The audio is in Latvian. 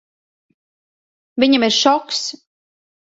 Viņam ir šoks.